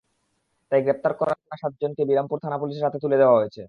তাই গ্রেপ্তার বকরা সাতজনকে বিরামপুর থানা পুলিশের হাতে তুলে দেওয়া হয়েছে।